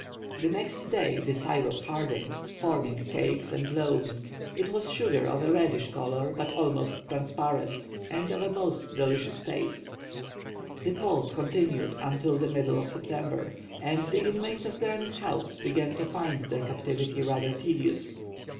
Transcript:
The next day the syrup hardened, forming cakes and loaves. It was sugar of a reddish color, but almost transparent, and of a delicious taste. The cold continued until the middle of September, and the inmates of Granite House began to find their captivity rather tedious.